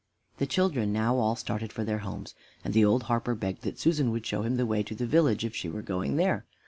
The children now all started for their homes, and the old harper begged that Susan would show him the way to the village, if she were going there.